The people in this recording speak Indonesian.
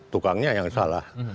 tukangnya yang salah